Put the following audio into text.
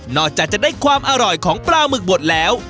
จากจะได้ความอร่อยของปลาหมึกบดแล้ว